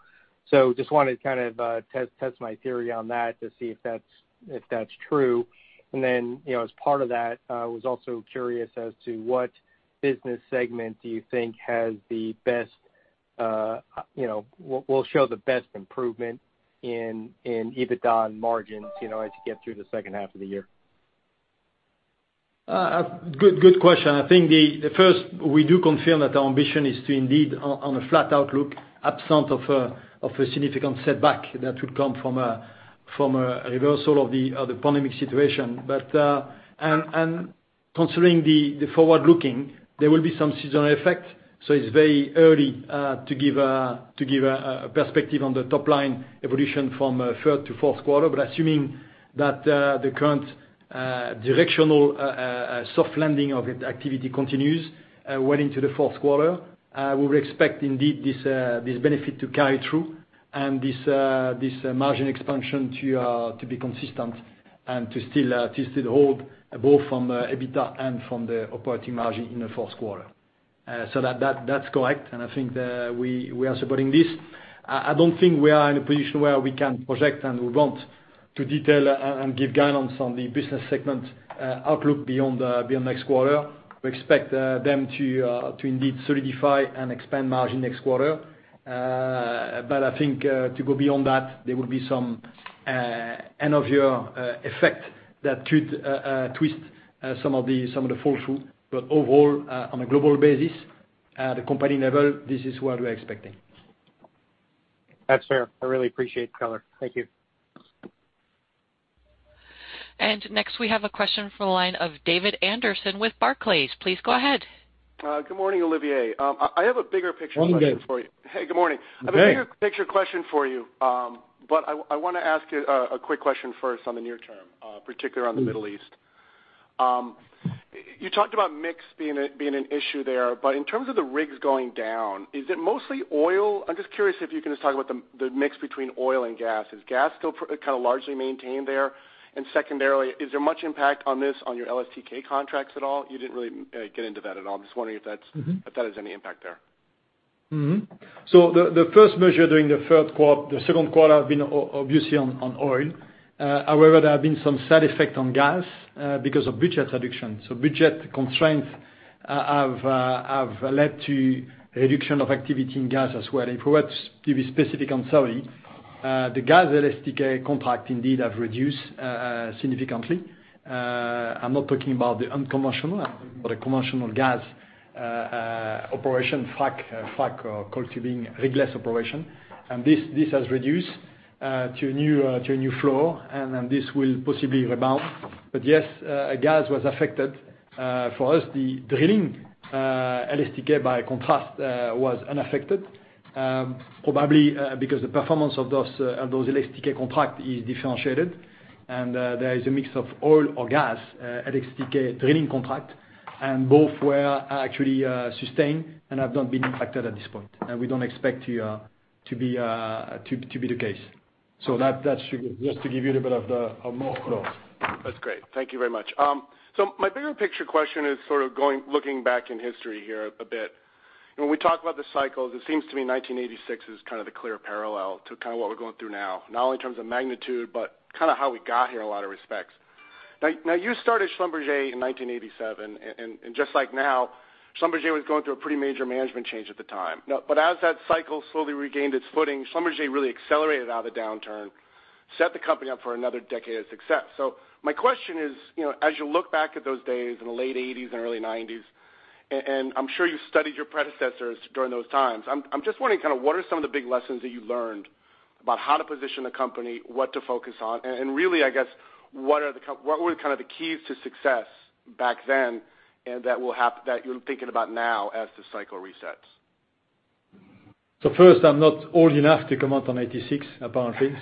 Just wanted to kind of test my theory on that to see if that's true. As part of that, I was also curious as to what business segment do you think will show the best improvement in EBITDA and margins as you get through the second half of the year? Good question. I think the first, we do confirm that our ambition is to indeed, on a flat outlook, absent of a significant setback that would come from a reversal of the pandemic situation. Considering the forward looking, there will be some seasonal effect. It's very early to give a perspective on the top line evolution from third to fourth quarter. Assuming that the current directional soft landing of the activity continues well into the fourth quarter, we would expect indeed this benefit to carry through and this margin expansion to be consistent and to still hold both from EBITDA and from the operating margin in the fourth quarter. That's correct, and I think we are supporting this. I don't think we are in a position where we can project, and we want to detail and give guidance on the business segment outlook beyond next quarter. We expect them to indeed solidify and expand margin next quarter. I think to go beyond that, there will be some end of year effect that could twist some of the fall through. Overall, on a global basis, at the company level, this is what we are expecting. That's fair. I really appreciate the color. Thank you. Next we have a question from the line of David Anderson with Barclays. Please go ahead. Good morning, Olivier. I have a bigger picture question for you. Morning, Dave. Hey, good morning. Hey. I have a bigger picture question for you, but I want to ask you a quick question first on the near term, particularly on the Middle East. You talked about mix being an issue there. In terms of the rigs going down, is it mostly oil? I'm just curious if you can just talk about the mix between oil and gas. Is gas still kind of largely maintained there? Secondarily, is there much impact on this on your LSTK contracts at all? You didn't really get into that at all. I'm just wondering if that has any impact there. The first measure during the second quarter have been obviously on oil. However, there have been some side effect on gas because of budget reduction. Budget constraints have led to a reduction of activity in gas as well. For what's to be specific, I'm sorry, the gas LSTK contract indeed have reduced significantly. I'm not talking about the unconventional, but the conventional gas operation frack or coiled tubing, rigless operation. This has reduced to a new floor, and then this will possibly rebound. Yes, gas was affected. For us, the drilling LSTK, by contrast, was unaffected. Probably because the performance of those LSTK contract is differentiated and there is a mix of oil or gas LSTK drilling contract. Both were actually sustained and have not been impacted at this point. We don't expect to be the case. That's just to give you a little bit of more color. That's great. Thank you very much. My bigger picture question is sort of looking back in history here a bit. When we talk about the cycles, it seems to me 1986 is kind of the clear parallel to kind of what we're going through now, not only in terms of magnitude, but kind of how we got here in a lot of respects. You started Schlumberger in 1987, and just like now, Schlumberger was going through a pretty major management change at the time. As that cycle slowly regained its footing, Schlumberger really accelerated out of the downturn, set the company up for another decade of success. My question is, as you look back at those days in the late 1980s and early 1990s. I'm sure you studied your predecessors during those times. I'm just wondering, what are some of the big lessons that you learned about how to position the company, what to focus on, and really, I guess, what were the keys to success back then and that you're thinking about now as the cycle resets? First, I'm not old enough to comment on 1986, apparently.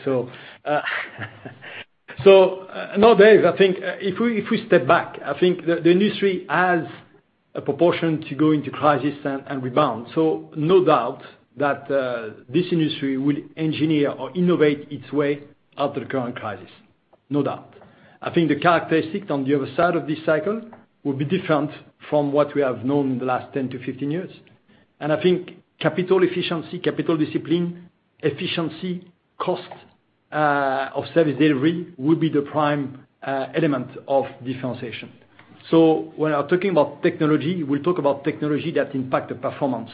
No, David, I think if we step back, I think the industry has a proportion to go into crisis and rebound. No doubt that this industry will engineer or innovate its way out of the current crisis. No doubt. I think the characteristics on the other side of this cycle will be different from what we have known in the last 10-15 years. I think capital efficiency, capital discipline, efficiency, cost of service delivery will be the prime element of differentiation. When we are talking about technology, we talk about technology that impact the performance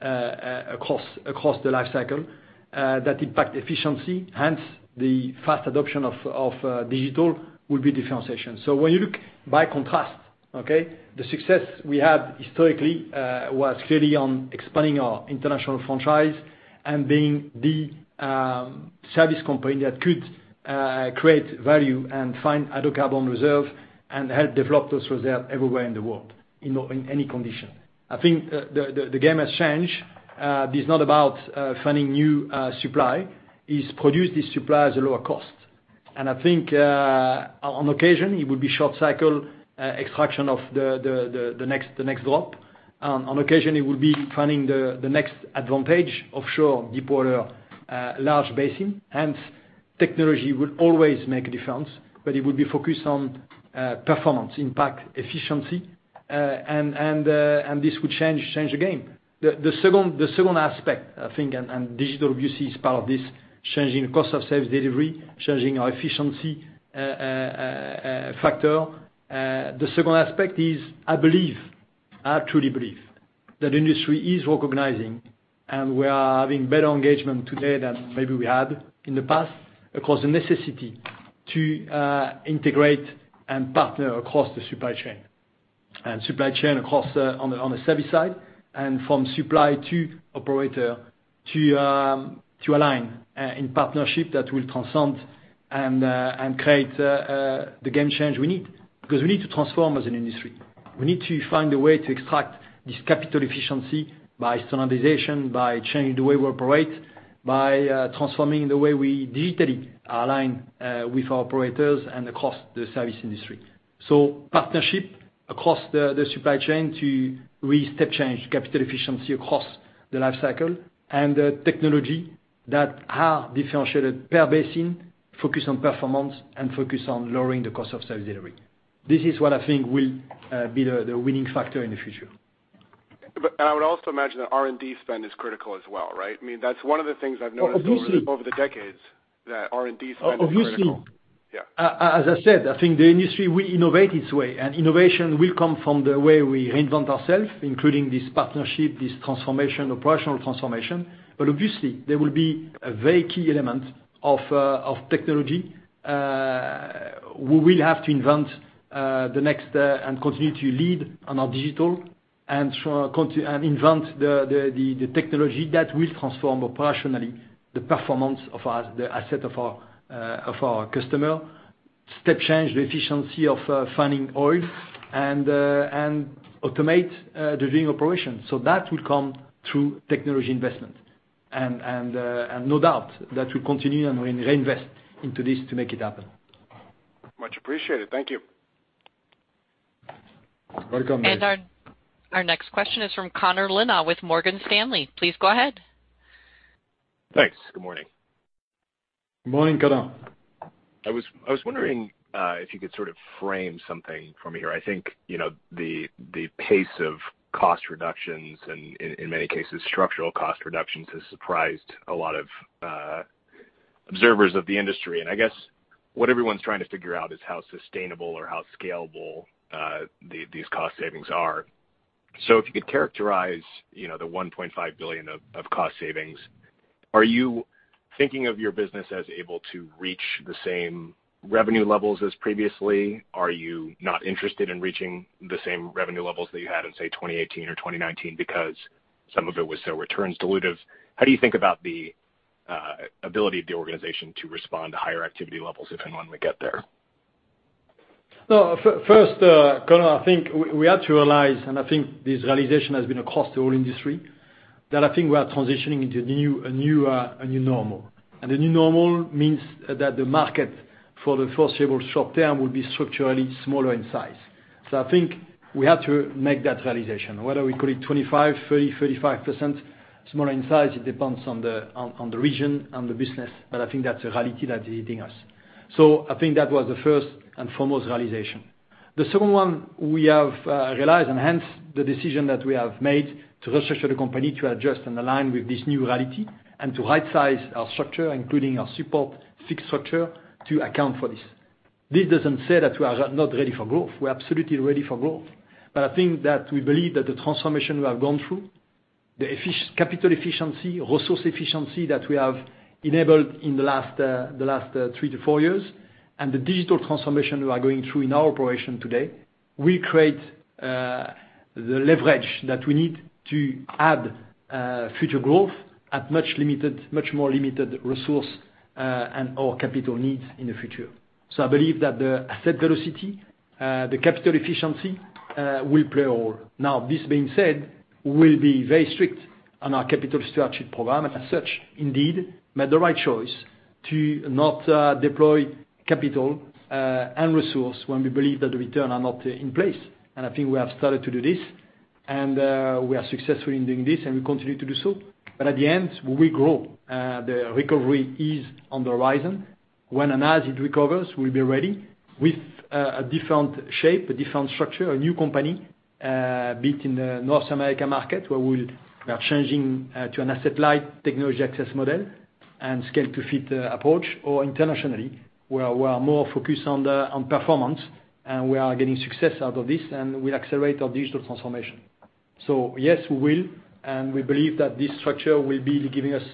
across the life cycle, that impact efficiency, hence the fast adoption of digital will be differentiation. When you look by contrast, the success we had historically was clearly on expanding our international franchise and being the service company that could create value and find hydrocarbon reserve and help develop those reserves everywhere in the world, in any condition. I think the game has changed. This is not about finding new supply, it's produce this supply at a lower cost. I think on occasion, it would be short cycle extraction of the next drop. On occasion, it would be finding the next advantage offshore, deepwater, large basin. Technology will always make a difference, but it would be focused on performance, impact, efficiency, and this would change the game. The second aspect, I think, and digital, obviously, is part of this changing cost of service delivery, changing our efficiency factor. The second aspect is, I believe, I truly believe that industry is recognizing and we are having better engagement today than maybe we had in the past, across the necessity to integrate and partner across the supply chain. Supply chain, of course, on the service side and from supply to operator to align in partnership that will transcend and create the game change we need because we need to transform as an industry. We need to find a way to extract this capital efficiency by standardization, by changing the way we operate, by transforming the way we digitally align with our operators and across the service industry. Partnership across the supply chain to really step change capital efficiency across the life cycle and the technology that are differentiated per basin, focused on performance and focused on lowering the cost of service delivery. This is what I think will be the winning factor in the future. I would also imagine that R&D spend is critical as well, right? That's one of the things I've noticed- Obviously. over the decades, that R&D spend is critical. Obviously. Yeah. As I said, I think the industry will innovate its way, and innovation will come from the way we reinvent ourselves, including this partnership, this transformation, operational transformation. Obviously, there will be a very key element of technology. We will have to invent the next and continue to lead on our digital and invent the technology that will transform operationally the performance of the asset of our customer, step change the efficiency of finding oil and automate the drilling operation. That will come through technology investment. No doubt that we'll continue and reinvest into this to make it happen. Much appreciated. Thank you. Welcome, Dave. Our next question is from Connor Lynagh with Morgan Stanley. Please go ahead. Thanks. Good morning. Good morning, Connor. I was wondering if you could sort of frame something for me here. I think the pace of cost reductions and, in many cases, structural cost reductions has surprised a lot of observers of the industry. I guess what everyone's trying to figure out is how sustainable or how scalable these cost savings are. If you could characterize the $1.5 billion of cost savings, are you thinking of your business as able to reach the same revenue levels as previously? Are you not interested in reaching the same revenue levels that you had in, say, 2018 or 2019 because some of it was so returns dilutive? How do you think about the ability of the organization to respond to higher activity levels if and when we get there? No. First, Connor, I think we have to realize, and I think this realization has been across the whole industry, that I think we are transitioning into a new normal. The new normal means that the market for the foreseeable short term will be structurally smaller in size. I think we have to make that realization, whether we call it 25%, 30%, 35% smaller in size, it depends on the region and the business, but I think that's a reality that is hitting us. I think that was the first and foremost realization. The second one we have realized, and hence the decision that we have made to restructure the company to adjust and align with this new reality and to rightsize our structure, including our support fixed structure, to account for this. This doesn't say that we are not ready for growth. We're absolutely ready for growth. I think that we believe that the transformation we have gone through, the capital efficiency, resource efficiency that we have enabled in the last three to four years, and the digital transformation we are going through in our operation today, will create the leverage that we need to add future growth at much more limited resource and/or capital needs in the future. I believe that the asset velocity, the capital efficiency, will play a role. Now this being said, we'll be very strict on our capital structure program and as such, indeed, made the right choice to not deploy capital and resource when we believe that the returns are not in place. I think we have started to do this, and we are successful in doing this, and we continue to do so. At the end, we grow. The recovery is on the horizon. When and as it recovers, we'll be ready with a different shape, a different structure, a new company, be it in the North America market, where we are changing to an asset-light technology access model and scale-to-fit approach, or internationally, where we are more focused on performance, and we are getting success out of this, and we'll accelerate our digital transformation. Yes, we will, and we believe that this structure will be giving us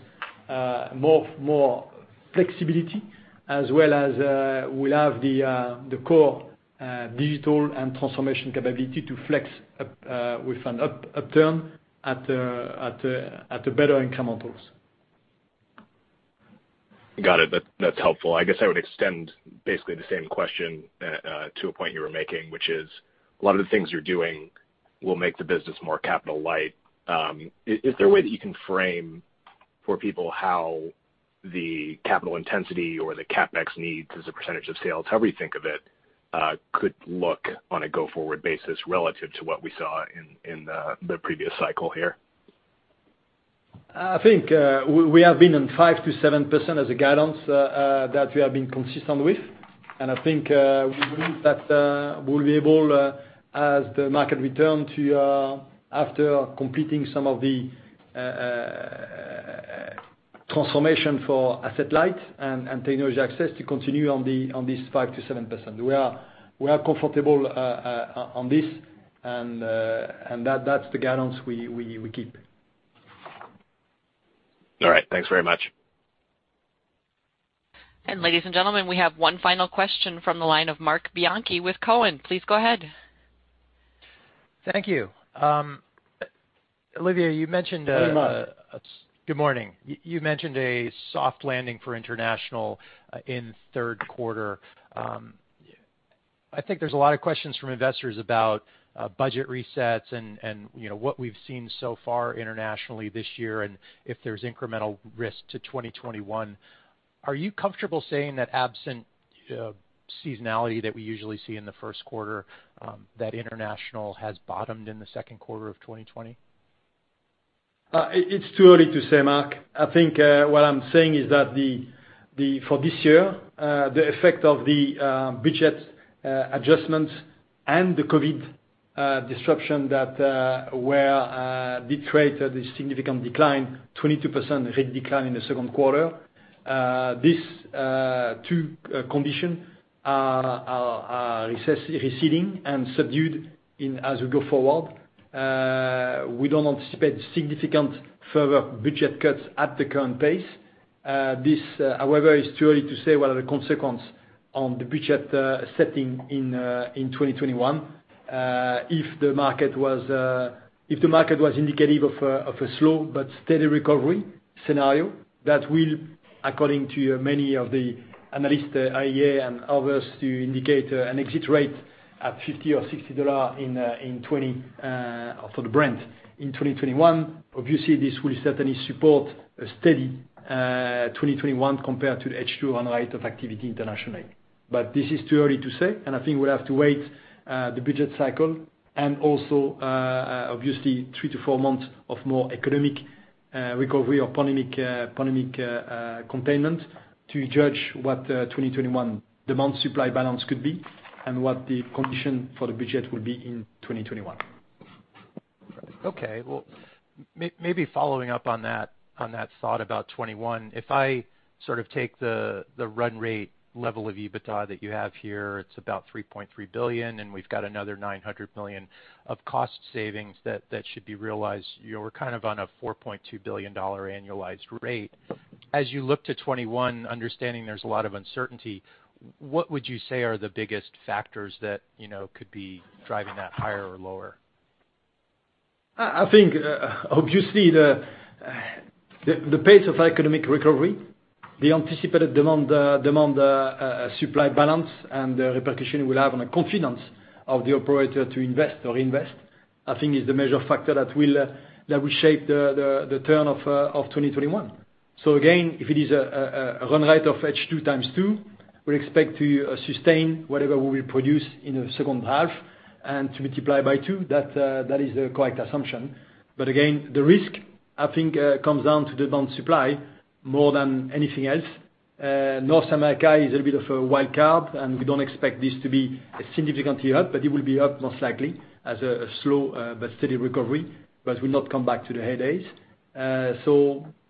more flexibility, as well as, we'll have the core digital and transformation capability to flex with an upturn at the better incrementals. Got it. That's helpful. I guess I would extend basically the same question to a point you were making, which is, a lot of the things you're doing will make the business more capital light. Is there a way that you can frame for people how the capital intensity or the CapEx needs as a percentage of sales, however you think of it, could look on a go-forward basis relative to what we saw in the previous cycle here? I think, we have been in 5%-7% as a guidance that we have been consistent with. I think, we believe that we'll be able, as the market return to, after completing some of the transformation for asset light and technology access to continue on this 5%-7%. We are comfortable on this, and that's the guidance we keep. All right. Thanks very much. Ladies and gentlemen, we have one final question from the line of Marc Bianchi with Cowen. Please go ahead. Thank you. Olivier, you mentioned- Good morning. Good morning. You mentioned a soft landing for international in third quarter. I think there's a lot of questions from investors about budget resets and what we've seen so far internationally this year, and if there's incremental risk to 2021. Are you comfortable saying that absent seasonality that we usually see in the first quarter, that international has bottomed in the second quarter of 2020? It's too early to say, Marc. I think, what I'm saying is that for this year, the effect of the budget adjustments and the COVID disruption that where, bit rate had a significant decline, 22% rate decline in the second quarter. These two condition are receding and subdued as we go forward. We don't anticipate significant further budget cuts at the current pace. This, however, is too early to say what are the consequence on the budget setting in 2021. If the market was indicative of a slow but steady recovery scenario, that will, according to many of the analysts, IEA and others, to indicate an exit rate at $50 or $60 for the Brent in 2021. Obviously, this will certainly support a steady 2021 compared to the H2 run rate of activity internationally. This is too early to say, and I think we'll have to wait, the budget cycle and also, obviously three to four months of more economic recovery or pandemic containment to judge what 2021 demand-supply balance could be and what the condition for the budget will be in 2021. Okay. Well, maybe following up on that thought about 2021, if I take the run rate level of EBITDA that you have here, it's about $3.3 billion, and we've got another $900 million of cost savings that should be realized. We're on a $4.2 billion annualized rate. As you look to 2021, understanding there's a lot of uncertainty, what would you say are the biggest factors that could be driving that higher or lower? I think, obviously the pace of economic recovery, the anticipated demand-supply balance, and the repercussion it will have on the confidence of the operator to invest or invest, I think is the major factor that will shape the turn of 2021. Again, if it is a run rate of H2 times 2, we'll expect to sustain whatever we will produce in the second half and to multiply by 2. That is the correct assumption. Again, the risk, I think, comes down to demand-supply more than anything else. North America is a bit of a wild card, and we don't expect this to be significantly up, but it will be up most likely as a slow but steady recovery, but will not come back to the heydays.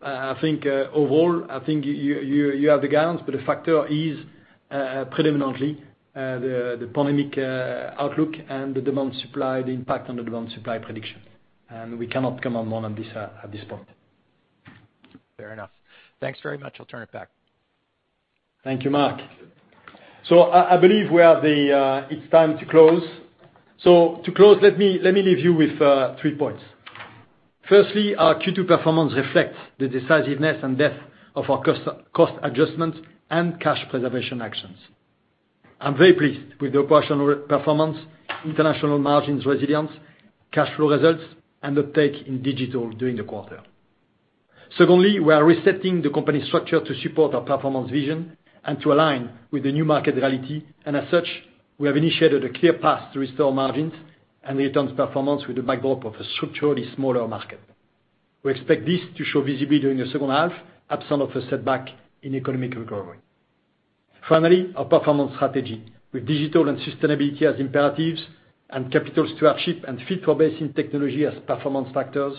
I think overall, you have the guidance, but the factor is predominantly the pandemic outlook and the demand supply, the impact on the demand supply prediction. We cannot comment more on this at this point. Fair enough. Thanks very much. I'll turn it back. Thank you, Marc. I believe it's time to close. To close, let me leave you with three points. Firstly, our Q2 performance reflects the decisiveness and depth of our cost adjustments and cash preservation actions. I'm very pleased with the operational performance, international margins resilience, cash flow results and uptake in digital during the quarter. Secondly, we are resetting the company structure to support our performance vision and to align with the new market reality, and as such, we have initiated a clear path to restore margins and returns performance with the backdrop of a structurally smaller market. We expect this to show visibly during the second half, absent of a setback in economic recovery. Finally, our performance strategy with digital and sustainability as imperatives, and capital stewardship and fit-for-basin technology as performance factors,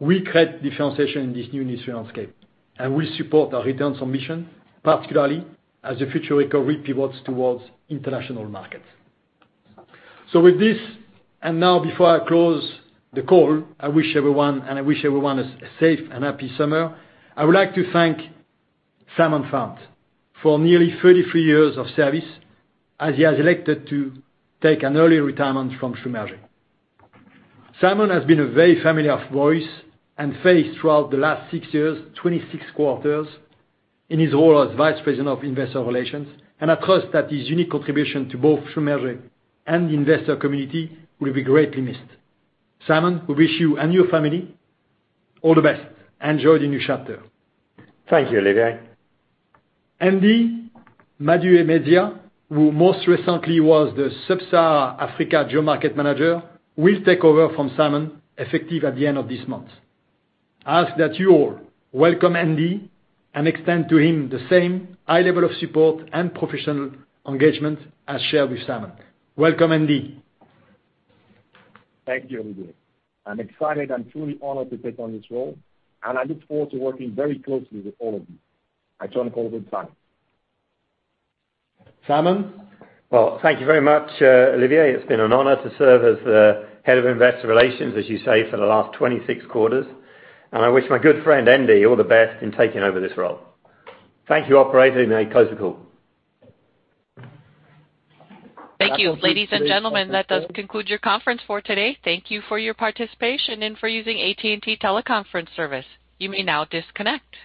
will create differentiation in this new industry landscape and will support our returns on mission, particularly as the future recovery pivots towards international markets. With this, and now before I close the call, I wish everyone a safe and happy summer. I would like to thank Simon Farrant for nearly 33 years of service, as he has elected to take an early retirement from Schlumberger. Simon has been a very familiar voice and face throughout the last six years, 26 quarters in his role as vice president of investor relations. I trust that his unique contribution to both Schlumberger and the investor community will be greatly missed. Simon, we wish you and your family all the best. Enjoy the new chapter. Thank you, Olivier. ND Maduemezia, who most recently was the Sub-Saharan Africa GeoMarket Manager, will take over from Simon effective at the end of this month. I ask that you all welcome ND and extend to him the same high level of support and professional engagement as shared with Simon. Welcome, ND. Thank you, Olivier. I'm excited and truly honored to take on this role, and I look forward to working very closely with all of you. I turn it over to Simon. Simon? Well, thank you very much, Olivier. It's been an honor to serve as the head of investor relations, as you say, for the last 26 quarters, and I wish my good friend ND all the best in taking over this role. Thank you, operator. You may close the call. Thank you, ladies and gentlemen. That does conclude your conference for today. Thank you for your participation and for using AT&T Teleconference service. You may now disconnect.